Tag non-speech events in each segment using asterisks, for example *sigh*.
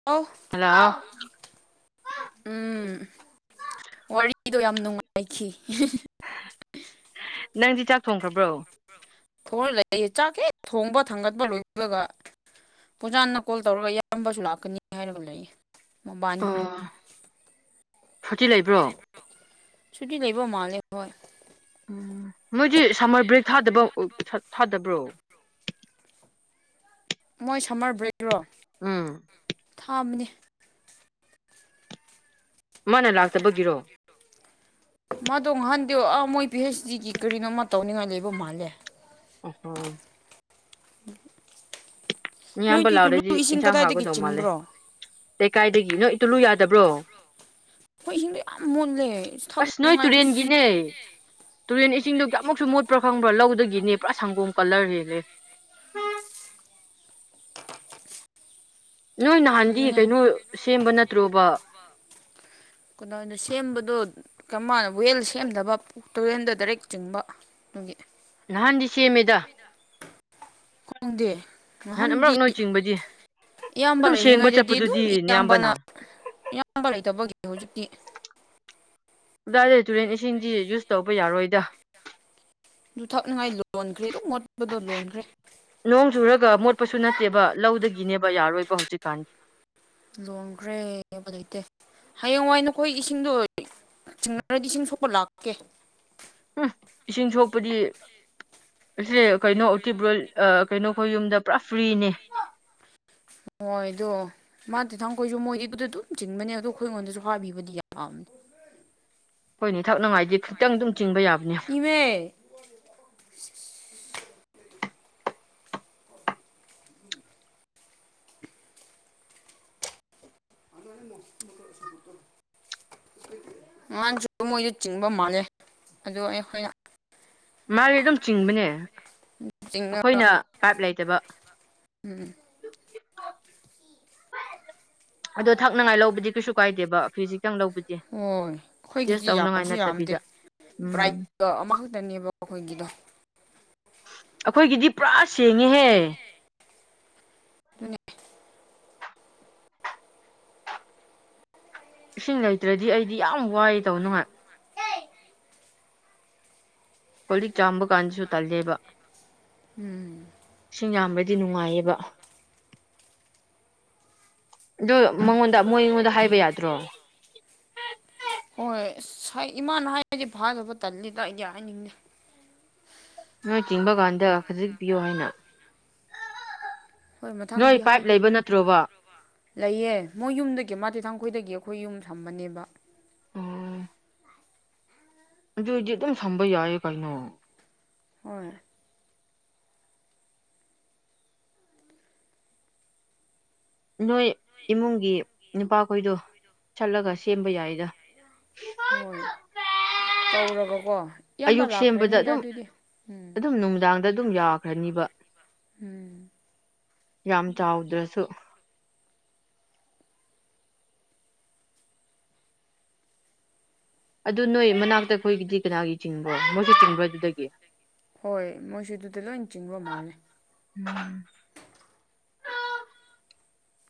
*unintelligible* Hello ꯎꯝ ꯋꯥꯔꯤꯗꯣ ꯌꯥꯝ ꯅꯨꯡꯉꯥꯏꯈꯤ ꯅꯪꯗꯤ ꯆꯥꯛ ꯊꯣꯡꯈ꯭ꯔꯕ꯭ꯔꯣ ꯊꯣꯡꯔ ꯂꯩꯌꯦ ꯆꯥꯛ ꯍꯦꯛ ꯊꯣꯡꯕ ꯊꯥꯡꯒꯠꯄ ꯂꯣꯏꯕꯒ ꯄꯨꯖꯥꯅ ꯀꯣꯜ ꯇꯧꯔꯒ ꯏꯌꯥꯝꯕꯁꯨ ꯂꯥꯛꯀꯅꯤ ꯍꯥꯏꯔꯒ ꯂꯩꯌꯦ ꯃꯕꯥꯅꯤ ꯑꯥ ꯐꯣꯔꯇꯤ ꯂꯩꯕ꯭ꯔꯣ ꯁꯨꯇꯤ ꯂꯩꯕ ꯃꯥꯂ ꯍꯣꯏ ꯎꯝ ꯃꯣꯏꯗꯤ ꯁꯝꯃꯔ ꯕ꯭ꯔꯦꯛ ꯊꯥꯗꯕ ꯎ ꯊꯥꯗꯕ꯭ꯔꯣ ꯃꯣꯏ ꯁꯝꯃꯔ ꯕ꯭ꯔꯦꯛ ꯔꯣ ꯎꯝ ꯊꯥꯝꯅꯦ ꯃꯥꯅ ꯂꯥꯛꯇꯕ ꯒꯤꯔꯣ ꯃꯥꯗꯣ ꯉꯥꯍꯥꯟꯗꯌꯣ ꯑ ꯃꯣꯏ ꯄꯤ ꯑꯩꯩꯆ ꯗꯤꯒꯤ ꯀꯔꯤꯅꯣꯃ ꯇꯧꯅꯤꯡꯉꯥꯏ ꯂꯩꯕ ꯃꯥꯜꯂꯦ ꯑ ꯍꯣꯡ ꯏꯌꯥꯝꯕ ꯅꯣꯏꯗꯤ ꯇꯨꯂꯨ ꯂꯥꯛꯔꯗꯤ ꯏꯁꯤꯡ ꯏꯟꯁꯥꯡ ꯀꯗꯥꯏꯗꯒꯤ ꯍꯥꯎꯒꯗꯧ ꯃꯥꯜꯂꯦ ꯆꯤꯡꯕ꯭ꯔꯣ ꯂꯩꯀꯥꯏꯗꯒꯤ ꯅꯣꯏ ꯏꯇꯨꯜꯂꯨ ꯌꯥꯗꯕ꯭ꯔꯣ ꯑꯩꯈꯣꯏ ꯏꯁꯤꯡꯗꯣ ꯌꯥꯝ ꯃꯨꯜꯂꯦ ꯢꯁ ꯑꯁ ꯅꯣꯏ ꯊꯛꯅꯉꯥꯏ ꯇꯨꯔꯦꯟꯒꯤꯅꯦ ꯇꯨꯔꯦꯟ ꯏꯁꯤꯡꯗꯣ ꯀꯌꯥꯃꯨꯛꯁꯨ ꯃꯣꯠꯄ꯭ꯔꯥ ꯈꯪꯕ꯭ꯔꯥ ꯂꯧꯗꯒꯤꯅꯦ ꯄꯨꯔꯥ ꯁꯪꯒꯣꯝ ꯀꯂꯔ ꯂꯦꯂꯦ ꯅꯣꯏ ꯅꯍꯥꯟꯗꯤ ꯑꯗꯨꯅꯦ ꯀꯩꯅꯣ ꯁꯦꯝꯕ ꯅꯠꯇ꯭ꯔꯣꯕ ꯀꯗꯥꯗ ꯁꯦꯝꯕꯗꯣ ꯀꯃꯥꯢꯅ ꯋꯦꯜ ꯁꯦꯝꯅꯕ ꯇꯨꯔꯦꯜꯗ ꯗꯥꯏꯔꯦꯛ ꯆꯤꯡꯕ ꯒꯤ ꯅꯍꯥꯟꯗꯤ ꯁꯦꯝꯃꯦꯗ ꯈꯣꯡꯗꯦ ꯅꯍꯥꯟ ꯑꯃꯔꯛ ꯅꯣꯏ ꯆꯤꯡꯕꯗꯤ ꯏꯌꯥꯝꯕ ꯑꯗꯨꯝ ꯁꯦꯡꯕ ꯂꯩꯔꯤꯉꯩꯗꯗꯤ ꯑꯗꯨꯝ ꯆꯠꯄꯗꯨꯗꯤ ꯏꯌꯥꯝꯕꯅ ꯅꯌꯥꯝꯕꯅ ꯏꯌꯥꯝꯕ ꯂꯩꯇꯕꯒꯤ ꯍꯨꯖꯤꯛꯇꯤ ꯗꯥꯔꯦ ꯇꯨꯔꯦꯟ ꯏꯁꯤꯡꯖꯤ ꯢꯌꯨꯁ ꯇꯧꯕ ꯌꯥꯔꯣꯏꯗ ꯑꯗꯨ ꯊꯛꯅꯉꯥꯏ ꯂꯣꯟꯈ꯭ꯔꯦ ꯑꯗꯨꯝ ꯃꯣꯠꯄꯗꯣ ꯂꯣꯟꯈ꯭ꯔꯦ ꯅꯣꯡ ꯆꯨꯔꯒ ꯃꯣꯠꯄꯁꯨ ꯅꯠꯇꯦꯕ ꯂꯧꯗꯒꯤꯅꯦꯕ ꯌꯥꯔꯣꯏꯕ ꯍꯧꯖꯤꯛꯀꯥꯟ ꯂꯣꯡꯈ꯭ꯔꯦꯕꯗꯩꯇꯦ ꯍꯌꯦꯡꯋꯥꯏ ꯅꯈꯣꯏ ꯏꯁꯤꯡꯗꯨ ꯆꯤꯡꯅꯔꯗꯤ ꯁꯤꯡ ꯁꯣꯛꯄ ꯂꯥꯛꯀꯦ ꯑꯨꯛꯁ ꯏꯁꯤꯡ ꯁꯣꯛꯄꯗꯤ ꯑꯁꯦ ꯀꯩꯅꯣ ꯇꯤꯕꯨ꯭ꯔꯣꯜ ꯑ ꯀꯩꯅꯣꯈꯣꯏ ꯌꯨꯝꯗ ꯄꯨꯔꯥ ꯐ꯭ꯔꯤꯅꯦ ꯑꯣꯏꯗꯨ ꯃꯥ ꯇꯤ ꯊꯥꯡꯈꯣꯏꯁꯨ ꯃꯣꯏꯒꯤꯗꯨꯗ ꯑꯗꯨꯝ ꯆꯤꯟꯕꯅꯦ ꯑꯗꯨ ꯈꯣꯏ ꯉꯣꯟꯗꯁꯨ ꯍꯥꯕꯤꯕꯗꯤ ꯌꯥꯝꯅꯦ ꯑꯩꯈꯣꯏꯅ ꯊꯛꯅꯉꯥꯏꯗꯤ ꯈꯤꯇꯪ ꯑꯗꯨꯝ ꯆꯤꯡꯕ ꯌꯥꯕꯅꯦ ꯏꯃꯦ ꯉꯥꯡꯁꯨ ꯃꯣꯏꯗ ꯆꯤꯡꯕ ꯃꯥꯜꯂꯦ ꯑꯗꯨ ꯑꯩꯍꯣꯏꯅ ꯃꯥꯗꯤ ꯑꯗꯨꯝ ꯆꯤꯡꯕꯅꯦ ꯆꯤꯡꯉꯒ ꯑꯈꯣꯏꯅ ꯄꯥꯏꯞ ꯂꯩꯇꯕ ꯎꯝ ꯑꯗꯣ ꯊꯛꯅꯉꯥꯏ ꯂꯧꯕꯗꯤ ꯀꯩꯁꯨ ꯀꯥꯏꯗꯦꯕ ꯈꯤꯖꯤꯛꯇꯡ ꯂꯧꯕꯗꯤ ꯍꯣꯏ ꯑꯌꯨꯁ ꯑꯩꯈꯣꯏꯒꯤꯗꯤ ꯇꯧꯅꯉꯥꯏ ꯅꯠꯇꯕꯤꯗ ꯎꯝ ꯑꯗꯣ ꯑꯃꯈꯛꯇꯅꯦꯕ ꯑꯩꯈꯣꯏꯒꯤꯗꯣ ꯑꯩꯈꯣꯏꯒꯤꯗꯤ ꯄꯨꯔꯥ ꯁꯦꯡꯉꯦꯍꯦ ꯑꯗꯨꯅꯦ ꯏꯁꯤꯡ ꯂꯩꯇ꯭ꯔꯗꯤ ꯑꯩꯗꯤ ꯌꯥꯝ ꯋꯥꯏ ꯇꯧ ꯅꯨꯡꯉꯥꯏ ꯀꯣꯂꯤꯛ ꯆꯥꯝꯕ ꯀꯥꯟꯗꯁꯨ ꯇꯜꯂꯦꯕ ꯎꯝ ꯏꯁꯤꯡ ꯌꯥꯝꯕꯗꯤ ꯅꯨꯡꯉꯥꯏꯌꯦꯕ ꯑꯗ ꯃꯉꯣꯟꯗ ꯃꯣꯏ ꯑꯩꯉꯣꯟꯗ ꯍꯥꯏꯕ ꯌꯥꯗ꯭ꯔꯣ ꯍꯣꯏ ꯏꯃꯥꯅ ꯍꯥꯏꯔꯗꯤ ꯐꯥꯗꯕ ꯇꯜꯂꯤꯗ ꯑꯩꯗꯤ ꯍꯥꯏꯅꯤꯡꯗꯦ ꯅꯣꯏ ꯆꯤꯡꯕ ꯀꯥꯟꯗ ꯈꯖꯤꯛ ꯄꯤꯌꯣ ꯍꯥꯏꯅ ꯍꯣꯏ ꯅꯣꯏ ꯄꯥꯏꯞ ꯂꯩꯕ ꯅꯠꯇ꯭ꯔꯣꯕ ꯂꯩꯑ ꯃꯣꯏ ꯌꯨꯝꯗꯒꯤ ꯃꯥꯊꯣꯏꯊꯥꯡꯈꯣꯏꯗꯒꯤ ꯑꯩꯈꯣꯏ ꯌꯨꯝ ꯊꯝꯕꯅꯦꯕ ꯑꯗꯨꯏꯗꯤ ꯑꯗꯨꯝ ꯁꯝꯕ ꯌꯥꯏꯌꯦ ꯀꯩꯅꯣ ꯍꯣꯏ ꯅꯣꯏ ꯏꯃꯨꯡꯒꯤ ꯅꯨꯄꯥꯈꯣꯏꯗꯣ ꯆꯠꯂꯒ ꯁꯦꯝꯕ ꯌꯥꯏꯗ ꯍꯣꯏ ꯇꯧꯔꯒꯀꯣ ꯏꯌꯥꯝꯕ ꯑꯌꯨꯛ ꯁꯦꯝꯕꯗ ꯂꯥꯛꯈ꯭ꯔꯅꯤꯗ ꯑꯗꯨꯝ ꯑꯗꯨꯗꯤ ꯎꯝ ꯑꯗꯨꯝ ꯅꯨꯡꯗꯥꯡꯗ ꯑꯗꯨꯝ ꯌꯥꯈ꯭ꯔꯅꯤꯕ ꯎꯝ ꯌꯥꯝ ꯆꯥꯎꯗ꯭ꯔꯁꯨ ꯑꯗꯨ ꯅꯣꯏ ꯃꯅꯥꯛꯇ ꯑꯩꯈꯣꯏꯒꯤꯗꯤ ꯀꯅꯥꯒꯤ ꯆꯤꯡꯕꯣ ꯃꯣꯏꯁꯨ ꯆꯤꯡꯕ꯭ꯔ ꯑꯗꯨꯗꯒꯤ ꯍꯣꯏ ꯃꯣꯏꯁꯨ ꯑꯗꯨꯗ ꯂꯣꯏ ꯆꯤꯡꯕ ꯃꯥꯜꯂꯦ ꯎꯝ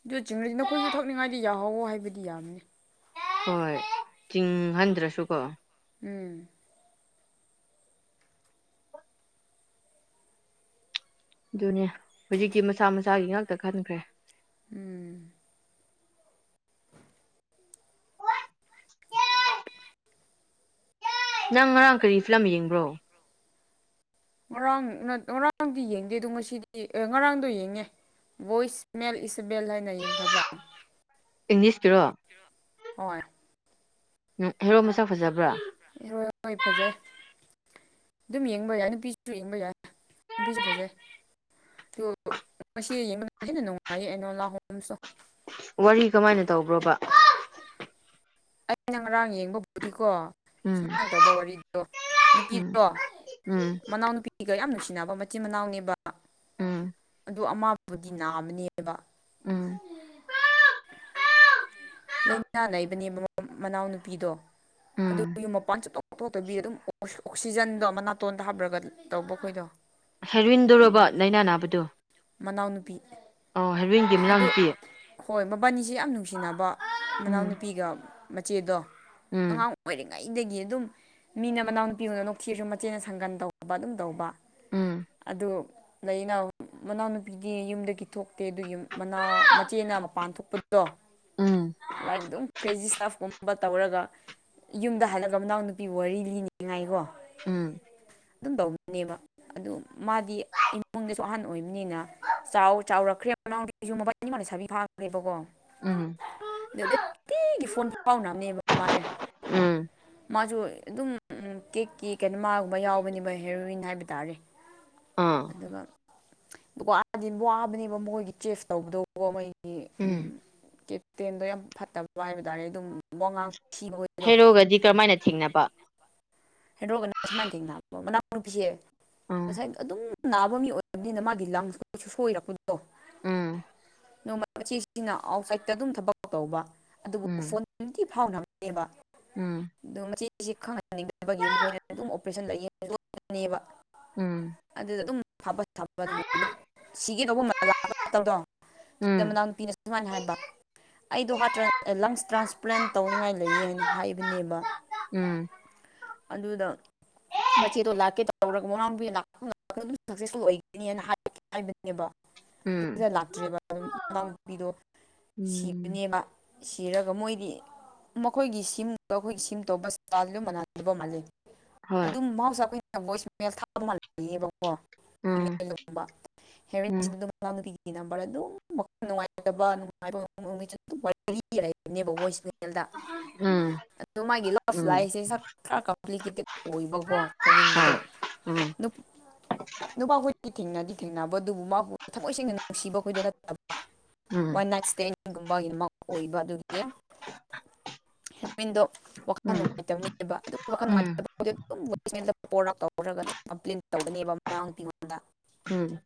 ꯑꯗꯨ ꯆꯤꯡꯂꯁꯨ ꯅꯈꯣꯏꯁꯨ ꯊꯛꯅꯤꯡꯉꯥꯏꯗꯤ ꯌꯥꯍꯧꯋꯣ ꯍꯥꯏꯕꯗꯤ ꯌꯥꯝꯕꯅꯤ ꯍꯣꯏ ꯆꯤꯡꯍꯟꯗ꯭ꯔꯁꯨ ꯀꯣ ꯎꯝ ꯑꯗꯨꯅꯦ ꯍꯧꯖꯤꯛꯇꯤ ꯃꯁꯥ ꯃꯁꯥꯒꯤ ꯉꯥꯛꯇ ꯈꯟꯈ꯭ꯔꯦ ꯎꯝ ꯅꯪ ꯉꯔꯥꯡ ꯀꯔꯤ ꯐꯤꯂꯝ ꯌꯦꯡꯕ꯭ꯔꯣ ꯉꯔꯥꯡ ꯉꯔꯥꯡꯗꯤ ꯌꯦꯡꯗꯦꯗꯣ ꯉꯁꯤꯗꯤ ꯉꯔꯥꯡꯗꯣ ꯌꯦꯡꯉꯦ ꯚꯣꯏꯁꯃꯦꯜ ꯏꯁꯕꯦꯜ ꯍꯥꯏꯅ ꯌꯦꯡꯈꯕ꯭ꯔꯥ ꯏꯪꯂꯤꯁꯇꯤꯔꯣ ꯍꯣꯏ ꯎꯝ ꯍꯦꯔꯣ ꯃꯁꯛ ꯐꯖꯕ꯭ꯔꯥ ꯍꯦꯔꯣ ꯍꯣꯏ ꯐꯖꯩ ꯑꯗꯨꯝ ꯌꯦꯡꯕ ꯌꯥꯏ ꯅꯨꯄꯤꯁꯨ ꯌꯦꯡꯕ ꯌꯥꯏ ꯅꯨꯄꯤꯁꯨ ꯐꯖꯩ ꯉ ꯌꯦꯡꯕ ꯃꯇꯝꯗ ꯍꯦꯟꯅ ꯅꯨꯡꯉꯥꯏꯌꯦ ꯑꯩꯅꯣ ꯂꯥꯍꯣꯡꯁꯨ *inaudible* ꯋꯥꯔꯤ ꯀꯃꯥꯏꯅ ꯇꯧꯕ꯭ꯔꯣꯕ ꯑꯩꯅ ꯉꯔꯥꯡ ꯌꯦꯡꯕꯕꯨꯗꯤꯀꯣ ꯎꯝ ꯁꯨꯃꯥꯏꯅ ꯇꯧꯕ ꯋꯥꯔꯤꯗꯣ ꯎꯝ ꯅꯨꯄꯤꯗꯣ ꯎꯝ ꯃꯅꯥꯎꯅꯨꯄꯤ ꯁꯤꯒ ꯌꯥꯝ ꯅꯨꯡꯁꯤꯅꯕ ꯃꯆꯤꯟ ꯃꯅꯥꯎꯅꯦꯕ ꯎꯝ ꯑꯗꯨ ꯑꯃꯕꯨꯗꯤ ꯅꯥꯕꯅꯦꯕ ꯎꯝ ꯂꯥꯏꯅꯥ ꯂꯩꯕꯅꯦ ꯃꯅꯥꯎꯅꯨꯄꯤꯗꯣ ꯑꯗꯨ ꯎꯝ ꯌꯨꯝ ꯃꯄꯥꯟꯁꯨ ꯇꯣꯛ ꯇꯊꯣꯛꯇꯕꯤ ꯑꯗꯨꯝ ꯑꯣꯛꯁꯤꯖꯟꯗꯣ ꯑꯃ ꯅꯥꯇꯣꯟꯗ ꯍꯥꯞꯄ꯭ꯔꯒ ꯇꯧꯕ ꯈꯣꯏꯗꯣ ꯍꯦꯔꯨꯏꯟꯗꯧꯔꯕ ꯂꯥꯏꯅ ꯅꯥꯕ ꯃꯅꯥꯎꯅꯨꯄꯤ ꯍꯦꯔꯣꯏꯟꯒꯤ ꯑꯗꯨ ꯃꯅꯥꯎꯅꯨꯄꯤ ꯍꯣꯏ ꯃꯕꯥꯅꯤꯁꯦ ꯌꯥꯝ ꯅꯨꯡꯁꯤꯅꯕ ꯎꯝ ꯃꯅꯥꯎꯅꯨꯄꯤꯒ ꯃꯆꯦꯗꯣ ꯎꯝ ꯑꯉꯥꯡ ꯑꯣꯏꯔꯤꯉꯩꯗꯒꯤ ꯑꯗꯨꯝ ꯃꯤꯅ ꯃꯅꯥꯎꯅꯨꯄꯤ ꯑꯣꯏꯅ ꯅꯣꯛꯊꯤꯔꯁꯨ ꯃꯆꯦꯅ ꯁꯪꯒꯟ ꯇꯧꯕ ꯑꯗꯨꯝ ꯇꯧꯕ ꯎꯝ ꯑꯗꯨ ꯗ ꯑꯩꯅ ꯃꯅꯥꯎꯅꯨꯄꯤꯗꯤ ꯌꯨꯝꯗꯒꯤ ꯊꯣꯛꯇꯦ ꯑꯗꯨ ꯌ ꯃꯅꯥ ꯃꯆꯦꯅ ꯃꯄꯥꯟ ꯊꯣꯛꯄꯗꯣ ꯎꯝ ꯂꯥꯏꯛ ꯑꯗꯨꯝ ꯀ꯭ꯔꯦꯖꯤ ꯏꯁꯇꯥꯞꯀꯨꯝꯕ ꯇꯧꯔꯒ ꯌꯨꯝꯗ ꯍꯜꯂꯒ ꯃꯅꯥꯎ ꯅꯨꯄꯤꯕꯨ ꯋꯥꯔꯤ ꯂꯤꯅꯤꯡꯉꯥꯏꯀꯣ ꯎꯝ ꯑꯗꯨꯝ ꯇꯧꯕꯅꯦꯕ ꯑꯗꯨ ꯃꯥꯗꯤ ꯏꯃꯨꯡꯗꯁꯨ ꯑꯍꯟ ꯑꯣꯏꯕꯅꯤꯅ ꯆꯥꯎ ꯆꯥꯎꯔꯛꯈ꯭ꯔꯦ ꯃꯃꯥꯡꯁꯨ ꯃꯄꯜꯅꯤꯃꯅ ꯁꯥꯕꯤ ꯐꯥꯈ꯭ꯔꯦꯕꯀꯣ ꯎꯝ ꯑꯗꯨꯗꯤ ꯇꯤꯒꯤ ꯐꯣꯟ ꯐꯥꯎꯅꯕꯅꯦꯕ ꯃꯥꯁꯦ ꯎꯝ ꯃꯥꯁꯨ ꯑꯗꯨꯝ ꯀꯦꯛꯀꯤ ꯀꯩꯅꯣꯃꯒꯨꯝꯕ ꯌꯥꯎꯕꯅꯦꯕ ꯍꯦꯔꯣꯋꯤꯟ ꯍꯥꯏꯕ ꯇꯥꯔꯦ ꯑꯥ ꯑꯗꯨꯒ ꯋꯥꯗꯤ ꯋꯥꯕꯅꯦꯕ ꯃꯣꯏꯒꯤ ꯆꯦꯐ ꯇꯧꯕꯗꯣꯀꯣ ꯃꯣꯏ ꯒꯤ ꯎꯝ ꯀꯦꯞꯇꯦꯟꯗꯣ ꯌꯥꯝ ꯐꯠꯇꯕ ꯍꯥꯏꯕ ꯇꯥꯔꯦ ꯑꯗꯨꯝ ꯋꯥꯉꯥꯡ ꯊꯤꯕ *unintelligible* ꯗꯤ ꯀꯔꯝꯃꯥꯏꯅ ꯊꯦꯡꯅꯕ ꯍꯦꯔꯣꯒ ꯁꯨꯃꯥꯏꯅ ꯊꯦꯡꯅꯕ ꯃꯅꯥꯎꯅꯨꯄꯤꯁꯦ ꯎꯝ ꯉꯁꯥꯏ ꯑꯗꯨꯝ ꯅꯥꯕ ꯃꯤ ꯑꯣꯏꯕꯅꯤꯅ ꯃꯥꯒꯤ ꯂꯪꯁ *unintelligible* ꯁꯣꯏꯔꯛꯄꯗꯣ ꯎꯝ ꯅꯣꯡꯃ ꯃꯆꯦꯁꯤꯅ ꯑꯥꯎꯠꯁꯥꯏꯠꯇ ꯑꯗꯨꯝ ꯊꯕꯛ ꯇꯧꯕ ꯑꯗꯨꯕꯨ ꯎꯝ ꯐꯣꯟ ꯅꯨꯡꯇꯤ ꯐꯥꯎꯅꯕꯅꯦꯕ ꯎꯝ ꯑꯗꯣ ꯃꯆꯦꯁꯦ ꯈꯪꯍꯟꯅꯤꯡꯗꯕꯒꯤ *unintelligible* ꯑꯗꯨꯝ ꯑꯣꯄꯔꯦꯁꯟ ꯂꯩꯌꯦ ꯂꯣꯠꯄꯅꯦꯕ ꯎꯝ ꯑꯗꯨꯗ ꯑꯗꯨꯝ ꯐꯕ ꯁꯥꯕ *unintelligible* ꯁꯤꯒꯦ ꯇꯧꯕ *unintelligible* *unintelligible* ꯎꯝ ꯃꯅꯥꯎ ꯅꯨꯄꯤꯅ ꯁꯨꯃꯥꯏꯅ ꯍꯥꯏꯕ ꯑꯩꯗꯣ ꯍꯥꯠꯇ꯭ꯔꯥ ꯂꯪꯁ ꯇ꯭ꯔꯥꯟꯁꯄ꯭ꯂꯥꯟ ꯇꯧꯅꯤꯡꯉꯥꯏ ꯂꯩꯌꯦ ꯍꯥꯏꯅ ꯍꯥꯏꯕꯅꯦꯕ ꯎꯝ ꯑꯗꯨꯗ ꯃꯆꯦꯗꯣ ꯂꯥꯛꯀꯦ ꯇꯧꯔꯛ *unintelligible* ꯃꯅꯥꯎ ꯅꯨꯄꯤ *unintelligible* ꯑꯗꯨꯝ ꯁꯛꯁꯦꯁꯐꯨꯜ ꯑꯣꯏꯒꯅꯤ *unintelligible* ꯍꯥꯏꯕꯅꯦꯕ ꯎꯝ ꯑꯗꯨꯗ ꯂꯥꯛꯇ꯭ꯔꯦꯕ ꯑꯗꯨꯝ ꯃꯅꯥꯎꯅꯨꯄꯤꯗꯣ ꯎꯝ ꯁꯤꯕꯅꯦꯕ ꯁꯤꯔꯒ ꯃꯣꯏꯗꯤ ꯃꯈꯣꯏꯒꯤ ꯁꯤꯝꯒ ꯑꯩꯈꯣꯏꯒꯤ ꯁꯤꯝ ꯇꯧꯕ ꯏꯁꯇꯥꯏꯜꯁꯨ ꯃꯥꯟꯅꯗꯕ ꯃꯥꯜꯂꯤ ꯍꯣꯏ ꯑꯗꯨꯝ ꯃꯍꯧꯁꯥ ꯑꯩꯈꯣꯏꯅ ꯚꯣꯏꯁ ꯃꯦꯜ ꯎꯝ ꯎꯝ *unintelligible* *unintelligible* ꯃꯅꯥꯎ ꯅꯨꯄꯤꯒꯤ ꯅꯝꯕꯔ ꯑꯗꯨꯝ ꯃꯈꯜ ꯅꯨꯡꯉꯥꯏꯇꯕ ꯅꯨꯡꯉꯥꯏꯕ *unintelligible* ꯑꯗꯨꯝ ꯋꯥꯔꯤ ꯂꯩꯕꯅꯦꯕ *unintelligible* ꯃꯣꯏꯁꯤ ꯎꯝ *unintelligible* ꯑꯗꯨ ꯃꯥꯒꯤ *unintelligible* ꯎꯝ ꯂꯥꯏꯁꯦ ꯈꯔ ꯀꯝꯄꯂꯤꯀꯦꯇꯦꯠ ꯑꯣꯏꯕꯀꯣ ꯐꯦꯕꯤꯟꯒꯤꯗꯣ ꯍꯣꯏ ꯎꯝ ꯗꯨꯞ ꯅꯨꯄꯥꯈꯣꯏꯗꯤ ꯊꯦꯡꯅꯗꯤ ꯊꯦꯡꯅꯕ ꯑꯗꯨꯕꯨ ꯃꯥꯕꯨ ꯊꯃꯣꯏ ꯁꯦꯡꯅ ꯅꯨꯡꯁꯤꯕꯈꯣꯏꯗ ꯅꯠꯇꯕ ꯎꯝ ꯋꯥꯟ ꯅꯥꯏꯠ ꯁ꯭ꯇꯦꯟꯅꯤꯡꯒꯨꯝꯕꯒꯤ ꯃꯥ ꯑꯣꯏꯕ ꯑꯗꯨꯒꯤ ꯍꯦꯔꯣꯏꯟꯗꯣ ꯋꯥꯈꯜ ꯎꯝ ꯅꯨꯡꯉꯥꯏꯇꯕꯅꯦꯕ ꯑꯗꯨꯝ ꯋꯥꯈꯜ ꯎꯝ ꯅꯨꯡꯉꯥꯏꯇꯕ *unintelligible* ꯇꯧꯔꯒ ꯀꯝꯄ꯭ꯂꯦꯟ ꯇꯧꯗꯅꯦꯕ *unintelligible* ꯎꯝ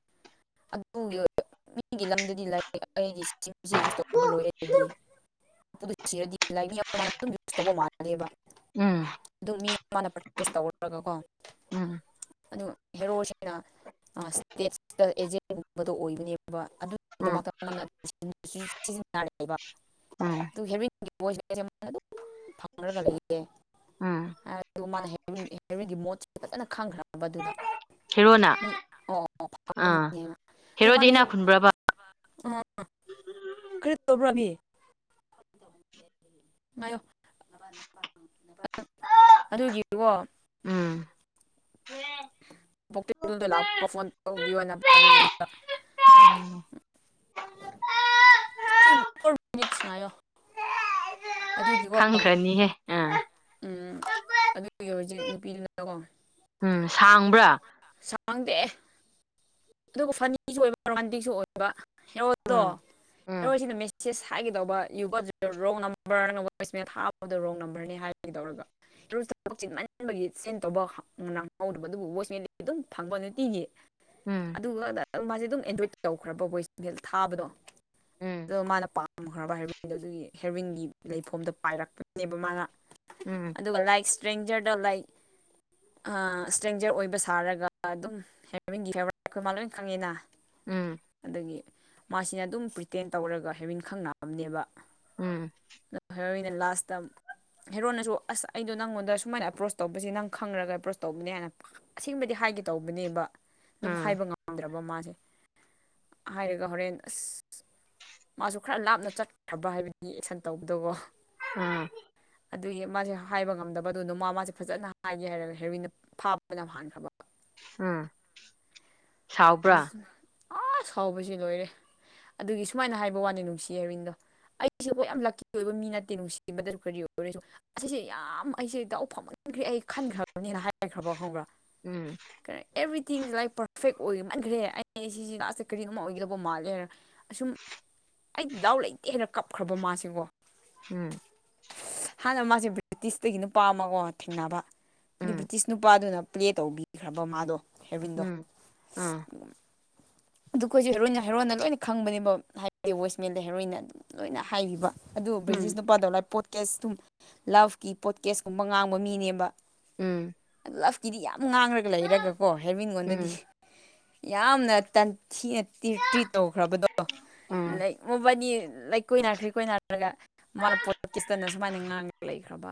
ꯑꯗꯨꯒꯤ ꯑꯣꯏꯕ ꯃꯤꯒꯤ *unintelligible* ꯂꯩ ꯑꯩꯗꯤ ꯆꯤꯡꯁꯦ ꯌꯨꯁ ꯇꯧꯕ ꯂꯣꯏꯔꯗꯤ *unintelligible* ꯁꯤꯔꯗꯤ *unintelligible* ꯌꯨꯁ ꯇꯧꯕ ꯃꯥꯜꯂꯦꯕ ꯎꯝ ꯑꯗꯨ ꯃꯤ ꯃꯥꯅ ꯄ꯭ꯔꯛꯇꯤꯁ ꯇꯧꯔꯒꯀꯣ ꯎꯝ ꯑꯗꯨ ꯍꯦꯔꯣꯁꯤꯅ ꯏꯁꯇꯦꯠꯇꯥ ꯑꯦꯖꯦꯟꯒꯨꯝꯕꯗꯣ ꯑꯣꯏꯕꯅꯦꯕ ꯎꯝ ꯑꯗꯨꯒꯤꯗꯃꯛꯇ *unintelligible* ꯁꯤꯖꯤꯟꯅꯔꯦꯕ ꯎꯝ ꯑꯗꯨ *unintelligible* ꯑꯗꯨꯝ ꯐꯪꯔꯒ ꯂꯩꯌꯦ ꯎꯝ ꯍꯥꯏ ꯑꯗꯨ ꯃꯥꯅ *unintelligible* ꯍꯦꯔꯣꯏꯟꯒꯤ ꯃꯣꯠꯁꯦ ꯐꯖꯅ ꯈꯪꯈ꯭ꯔꯕ ꯑꯗꯨꯗ ꯍꯦꯔꯣꯅ ꯑꯥ *unintelligible* ꯗꯨ ꯍꯦꯔꯣꯗꯤ ꯃꯅꯥꯁꯨ ꯏꯅꯥꯛ ꯈꯨꯟꯕ꯭ꯔꯕ ꯥ *unintelligible* ꯀꯔꯤ ꯇꯧꯕ꯭ꯔꯥꯕꯤ ꯉꯥꯏꯌꯣ *unintelligible* ꯑꯗꯨꯒꯤꯀꯣ ꯎꯝ *unintelligible* ꯂꯥꯛꯄ ꯐꯣꯟ ꯇꯧꯕꯤꯌꯣꯅ *unintelligible* *unintelligible* ꯁꯤ ꯐꯣꯔ ꯃꯤꯅꯤꯠꯁ ꯉꯥꯏꯌꯣ ꯑꯗꯨꯒꯤꯀꯣ *unintelligible* ꯈꯪꯈ꯭ꯔꯅꯤꯍꯦ ꯑꯥ ꯎꯝ ꯑꯗꯨꯒꯤ ꯍꯧꯖꯤꯛ ꯅꯨꯄꯤ *unintelligible* ꯎꯝ ꯁꯥꯡꯕ꯭ꯔꯥ ꯁꯥꯡꯗꯦ ꯑꯗꯨꯒ ꯐꯅꯤꯁꯨ ꯑꯣꯏꯕ ꯔꯣꯃꯥꯟꯇꯤꯛꯁꯨ ꯑꯣꯏꯕ ꯍꯦꯔꯣꯗꯣ ꯎꯝ ꯎꯝ ꯍꯦꯔꯣꯏꯁꯤꯅ ꯃꯦꯁꯦꯁ ꯍꯥꯏꯒꯦꯗꯧꯕ ꯌꯨ ꯒꯣꯠ ꯔꯣꯡ ꯅꯝ ꯅꯝꯕꯔ *unintelligible* ꯋꯦꯁꯃꯦꯟ ꯊꯥꯕꯗꯣ ꯔꯣꯡ ꯅꯝꯕꯔꯅꯤ ꯍꯥꯏꯒꯤꯗꯧꯔꯒ *unintelligible* ꯎꯝ ꯑꯗꯨꯒ ꯃꯥꯁꯦ ꯑꯗꯨꯝ ꯑꯦꯟꯗ꯭ꯔꯣꯏꯗ ꯇꯧꯈ꯭ꯔꯕ ꯚꯣꯏꯁꯅꯦꯜ ꯊꯥꯕꯗꯣ ꯎꯝ ꯑꯗꯣ ꯃꯥꯅ ꯄꯥꯝꯈ꯭ꯔꯕ ꯍꯥꯢꯕꯗꯣ ꯑꯗꯨꯒꯤ ꯍꯦꯔꯤꯟꯒꯤ ꯂꯩꯐꯣꯝꯗ ꯄꯥꯏꯔꯛꯄꯅꯦꯕ ꯃꯥꯅ ꯎꯝ ꯑꯗꯨꯒ ꯂꯥꯏꯛ ꯏꯁꯇ꯭ꯔꯦꯡꯖꯔꯗ ꯂꯥꯏꯛ ꯑꯥ ꯏꯁꯇ꯭ꯔꯦꯡꯖꯔ ꯑꯣꯏꯕ ꯁꯥꯔꯒ ꯑꯗꯨꯝ ꯍꯦꯔꯣꯋꯤꯟꯒꯤ *unintelligible* ꯃꯥ ꯂꯣꯏ ꯈꯪꯉꯤꯅ ꯎꯝ ꯑꯗꯒꯤ ꯃꯥꯁꯤ ꯑꯗꯨꯝ ꯄ꯭ꯔꯤꯇꯦꯟ ꯇꯧꯔꯒ ꯍꯤꯔꯨ꯭ꯏꯟ ꯈꯪꯅꯕꯅꯦꯕ ꯎꯝ ꯍꯦꯔꯣꯏꯟꯅ ꯂꯥꯁꯇꯥ ꯍꯦꯔꯣꯟꯅꯁꯨ ꯑꯁ ꯑꯩꯗꯣ ꯅꯪꯉꯣꯟꯗ ꯁꯨꯃꯥꯏꯅ ꯑꯦꯄ꯭ꯔꯣꯁ ꯇꯧꯕꯁ ꯅꯪ ꯈꯪꯔꯒ ꯑꯦꯄ꯭ꯔꯣꯁ ꯇꯧꯕꯅꯦ ꯍꯥꯏꯅ ꯑꯁꯦꯡꯕꯗꯤ ꯍꯥꯏꯒꯦ ꯇꯧꯕꯅꯦꯕ ꯑꯗꯨꯕꯨ ꯎꯝ ꯍꯥꯏꯕ ꯉꯝꯗ꯭ꯔꯕ ꯃꯥꯁꯦ ꯍꯥꯏꯔꯒ ꯍꯣꯔꯦꯟ ꯑꯁ ꯃꯥꯁꯨ ꯈꯔ ꯂꯥꯞꯅ ꯆꯠꯈ꯭ꯔꯕ ꯍꯥꯏꯕꯗꯤ ꯑꯦꯛꯁꯟ ꯇꯧꯕꯗꯕꯣ ꯑ ꯑꯗꯨꯒꯤ ꯃꯥꯁꯦ ꯍꯥꯏꯕ ꯉꯝꯗꯕ ꯑꯗꯨꯅ ꯃꯥ ꯃꯥꯁꯦ ꯐꯖꯅ ꯍꯥꯏꯒꯦ ꯍꯥꯏꯔꯒ ꯍꯦꯔꯣꯏꯟꯅ ꯐꯥꯕꯅ ꯍꯥꯟꯈ꯭ꯔꯕ ꯍꯝ *unintelligible* ꯑ ꯁꯥꯎꯕꯁꯦ ꯂꯣꯏꯔꯦ ꯑꯗꯨꯒꯤ ꯁꯨꯃꯥꯏꯅ ꯍꯥꯏꯕ ꯋꯥꯅꯤ ꯅꯨꯡꯁꯤ ꯍꯔꯤꯟꯗꯣ ꯑꯩꯁꯦ ꯌꯥꯝ ꯂꯛꯀꯤ ꯑꯣꯏꯕ ꯃꯤ ꯅꯠꯇꯦ ꯅꯨꯡꯁꯤꯕꯗ ꯀꯔꯤ ꯑꯣꯏꯔꯁꯨ ꯑꯁꯤꯁꯦ ꯌꯥꯝ ꯑꯩꯁꯦ ꯇꯥꯎ ꯐꯝꯃꯟꯈ꯭ꯔꯦ ꯑꯩ ꯈꯟꯈ꯭ꯔꯕꯅꯤꯅ ꯍꯥꯏꯈ꯭ꯔꯕ ꯈꯪꯕ꯭ꯔꯥ ꯎꯝ ꯀꯔ ꯑꯦꯕ꯭ꯔꯤꯊꯤꯡꯁ ꯂꯥꯏꯛ ꯄꯔꯐꯦꯛ ꯑꯣꯏ ꯃꯟꯈ꯭ꯔꯦ ꯑꯩ ꯁꯤꯁꯦ ꯂꯥꯁꯇ ꯀꯔꯤ ꯑꯃ ꯑꯣꯏꯒꯗꯕ ꯃꯥꯜꯂꯦ ꯑꯁꯨꯝ ꯑꯩ ꯗꯥꯎ ꯂꯩꯇꯦ ꯍꯥꯏꯔ ꯀꯞꯈ꯭ꯔꯕ ꯃꯥꯁꯦꯀꯣ ꯍꯨꯝ ꯍꯥꯟꯅ ꯃꯥꯁꯦ ꯕ꯭ꯔꯤꯇꯤꯁꯇꯒꯤ ꯅꯄꯥꯥꯝꯃꯀꯣ ꯊꯦꯡꯅꯕ ꯑꯗꯨ ꯎꯝ ꯕ꯭ꯔꯤꯇꯤꯁ ꯅꯨꯄꯥꯗꯨꯅ ꯄ꯭ꯂꯦ ꯇꯧꯕꯤꯈ꯭ꯔꯕ ꯃꯥꯗꯣ ꯍꯦꯔꯣꯏꯟꯗꯣ ꯎꯝ ꯑꯥ *inaudible* ꯑꯗꯨꯈꯣꯏꯁꯦ ꯍꯦꯔꯣꯏꯟ ꯍꯦꯔꯣꯅ ꯂꯣꯏꯅ ꯈꯪꯕꯅꯦꯕ ꯍꯥꯏꯕꯗꯤ ꯋꯣꯁꯃꯦꯟꯗ ꯍꯦꯔꯣꯏꯟꯅ ꯑꯗꯨꯝ ꯂꯣꯏꯅ ꯍꯥꯏꯕꯤꯕ ꯑꯗꯨ ꯕ꯭ꯔꯤꯇꯤꯁ ꯎꯝ ꯅꯨꯄꯥꯗꯣ ꯂꯥꯏ ꯄꯣꯠꯀꯦꯁ ꯑꯗꯨꯝ ꯂꯞꯀꯤ ꯄꯣꯠꯀꯦꯁ ꯀꯨꯝꯕ ꯉꯥꯡꯕ ꯃꯤꯅꯦꯕ ꯎꯝ ꯂꯞꯀꯤꯗꯤ ꯌꯥꯝ ꯉꯥꯡꯔꯒ ꯂꯩꯔꯒꯀꯣ ꯎꯝ ꯍꯦꯔꯣꯏꯟꯉꯣꯟꯗꯗꯤ ꯎꯝ ꯌꯥꯝꯅ ꯇꯟ ꯊꯤꯅ ꯇ꯭ꯔꯤꯠ ꯇꯧꯈ꯭ꯔꯕꯗꯣ ꯎꯝ ꯂꯥꯏꯀ ꯃꯣꯕꯥꯅꯤ ꯂꯥꯏꯀ ꯀꯣꯏꯅꯥꯈ꯭ꯔꯦ ꯀꯣꯏꯅꯥꯔꯒ ꯃꯥꯅ ꯄꯣꯠꯀꯦꯁꯇꯅ ꯁꯨꯃꯥꯏꯅ ꯉꯥꯡꯉ ꯂꯩꯈ꯭ꯔꯕ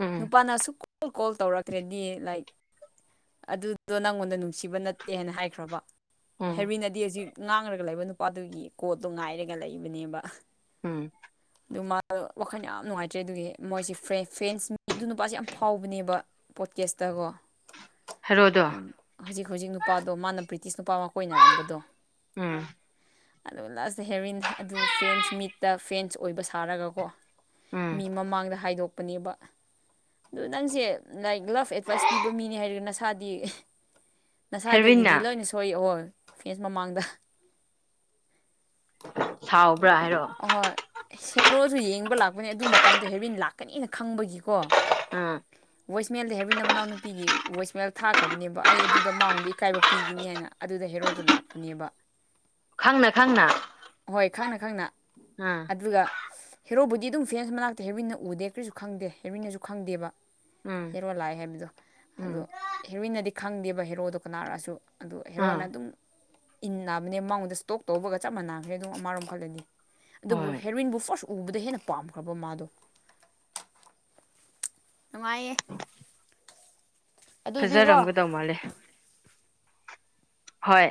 ꯎꯝ ꯅꯨꯄꯥꯅ ꯑꯁꯨꯛ ꯀꯣꯜ ꯇꯧꯔꯛꯈꯇ꯭ꯔꯦꯗꯤ ꯂꯥꯏꯛ ꯑꯗꯨꯗꯣ ꯅꯪꯉꯣꯟꯗ ꯅꯨꯡꯁꯤꯕ ꯅꯠ ꯇꯦꯅ ꯍꯥꯏꯈ꯭ꯔꯕ ꯎꯝ ꯍꯦꯔꯣꯏꯟꯅꯗꯤ ꯍꯧꯖꯤꯛ ꯉꯥꯡꯔꯒ ꯂꯩꯕ ꯅꯨꯄꯥꯗꯨꯒꯤ ꯀꯣꯜꯗꯣ ꯉꯥꯏꯔꯒ ꯂꯩꯕꯅꯦꯕ꯫ ꯎꯝ꯫ ꯑꯗꯨ ꯃꯥꯗꯨ ꯋꯥꯈꯜ ꯌꯥꯝ ꯅꯨꯡꯉꯥꯏꯇ꯭ꯔꯦ ꯑꯗꯨꯒꯤ ꯃꯣꯏꯁꯦ ꯐ꯭ꯔꯦ ꯐ꯭ꯔꯦꯟꯁ ꯃꯤ ꯑꯗꯨ ꯅꯨꯄꯥꯁꯦ ꯌꯥꯝ ꯐꯥꯎꯕꯅꯦꯕ꯫ ꯄꯣꯠꯀꯦꯁꯇꯀꯣ꯫ ꯍꯦꯔꯣꯗꯣ ꯍꯧꯖꯤꯛ ꯍꯧꯖꯤꯛ ꯅꯨꯄꯥꯗꯣ ꯃꯥꯅ ꯕ꯭ꯔꯤꯇꯤꯁ ꯅꯨꯄꯥ ꯑꯃ ꯀꯣꯏꯅꯔꯝꯕꯗꯣ꯫ ꯎꯝ꯫ ꯑꯗꯨꯒ ꯂꯥꯁꯇ ꯍꯦꯔꯣꯏꯟ ꯑꯗꯨ ꯐꯦꯁꯟ ꯃꯤꯠꯇ ꯐꯦꯁꯟ ꯑꯣꯏꯕ ꯁꯥꯔꯒꯀꯣ ꯎꯝ ꯃꯤ ꯃꯃꯥꯡꯗ ꯍꯥꯏꯗꯣꯛ ꯄꯅꯦꯕ ꯑꯗꯨ ꯅꯪꯁꯦ ꯂꯥꯏꯛ ꯂꯥꯞ ꯑꯦꯗꯚꯥꯏꯁ ꯄꯤꯕ ꯃꯤꯅꯦ ꯍꯥꯏꯔꯒ ꯅꯁꯥꯗꯤ ꯅꯁꯥꯗꯒꯤꯗꯤ ꯍꯦꯔꯣꯏꯟꯅ ꯂꯣꯏꯅ ꯁꯣꯏꯑꯣ ꯐꯦꯟꯁ ꯃꯃꯥꯡꯗ꯫ ꯁꯥꯎꯕ꯭ꯔꯥ꯫ ꯍꯥꯏꯔꯣ *unintelligible* ꯑꯍꯣꯏ ꯍꯦꯔꯣꯁꯨ ꯌꯦꯡꯕ ꯂꯥꯛꯄꯅꯦ ꯑꯗꯨ ꯃꯇꯝꯗꯣ ꯍꯦꯕꯤꯟ ꯂꯥꯛꯀꯅꯤꯅ ꯈꯪꯕꯒꯤꯀꯣ꯫ ꯑꯥ꯫ ꯕꯣꯏꯁꯃꯦꯜꯗ ꯍꯦꯕꯤꯟꯅ ꯃꯅꯥꯎꯅꯨꯄꯤꯒꯤ ꯕꯣꯏꯁꯃꯦꯜ ꯊꯥꯈ꯭ꯔꯕꯅꯦꯕ ꯑꯩ ꯑꯗꯨꯗ ꯃꯥꯉꯣꯟꯗ ꯏꯀꯥꯏꯕ ꯄꯤꯒꯅꯤ ꯍꯥꯏꯅ꯫ ꯑꯗꯨꯗ ꯍꯦꯔꯣꯗꯣ ꯂꯥꯛꯄꯅꯦꯕ꯫ ꯈꯪꯅ ꯈꯪꯅ꯫ ꯍꯣꯏ ꯈꯪꯅ ꯈꯪꯅ꯫ ꯑꯥ꯫ ꯑꯗꯨꯒ ꯍꯦꯔꯣꯕꯨꯗꯤ ꯑꯗꯨꯝ ꯐꯦꯟꯁ ꯃꯅꯥꯛꯇ ꯍꯦꯕꯤꯟꯅ ꯎꯗꯦ ꯀꯔꯤꯁꯨ ꯈꯪꯗꯦ ꯍꯦꯕꯤꯟꯅꯁꯨ ꯈꯪꯗꯦꯕ꯫ ꯎꯝ ꯍꯦꯔꯣ ꯂꯥꯛꯑꯦ ꯍꯥꯏꯕꯗꯣ ꯑꯗꯣ ꯎꯝ ꯍꯦꯔꯣꯏꯟꯅꯗꯤ ꯈꯪꯗꯦꯕ ꯍꯦꯔꯣꯗꯣ ꯀꯅꯥꯔꯁꯨ꯫ ꯑꯗꯨ ꯍꯦꯔꯣꯅ ꯎꯝ ꯑꯗꯨꯝ꯫ ꯏꯟꯅꯕꯅꯦ ꯃꯉꯣꯟꯗ ꯏꯁꯇꯣꯛ ꯇꯧꯕꯒ ꯆꯞ ꯃꯥꯟꯅꯈ꯭ꯔꯦ ꯑꯗꯨꯝ ꯑꯃꯔꯣꯝ ꯈꯜꯂꯗꯤ ꯑꯗꯨꯕꯨ ꯍꯣꯏ ꯍꯦꯔꯣꯏꯟꯕꯨ ꯐꯣꯔ ꯎꯕꯗ ꯍꯦꯟꯅ ꯄꯥꯝꯈ꯭ꯔꯕ ꯃꯥꯗꯣ꯫ ꯅꯨꯡꯉꯥꯏꯌꯦ꯫ ꯑꯗꯨꯗꯤꯀꯣ ꯐꯖꯔꯝꯒꯗꯧ ꯃꯥꯜꯂꯦ꯫ ꯍꯣꯏ꯫